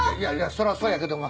そりゃそうやけども。